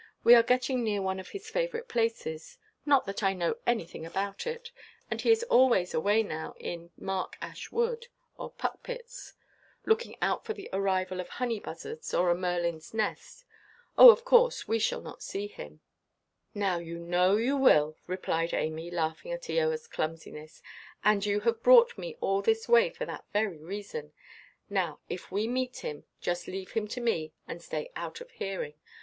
We are getting near one of his favourite places—not that I know anything about it; and he is always away now in Mark Ash Wood, or Puckpits, looking out for the arrival of honey–buzzards, or for a merlinʼs nest. Oh, of course we shall not see him." "Now, you know you will," replied Amy, laughing at Eoaʼs clumsiness; "and you have brought me all this way for that very reason. Now, if we meet him, just leave him to me, and stay out of hearing.